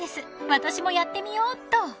［私もやってみようっと］